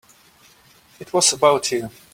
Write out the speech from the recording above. It was about you.